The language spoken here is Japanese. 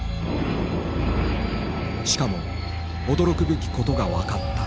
しかも驚くべきことが分かった。